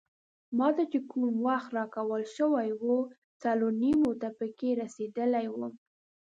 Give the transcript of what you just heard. ما ته چې کوم وخت راکول شوی وو څلور نیمو ته پکې رسیدلی وم.